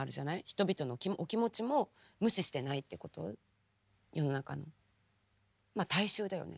人々のお気持ちも無視してないっていうこと世の中のまっ大衆だよね。